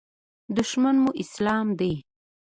دښمن مو اسلام دی.